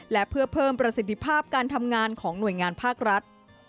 และเพื่อเพิ่มประสิทธิภาพการทำงานของหน่วยงานภาครัฐ